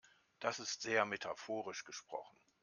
Das ist sehr metaphorisch gesprochen.